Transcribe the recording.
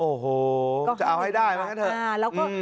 โอ้โฮจะเอาให้ได้เหมือนกัน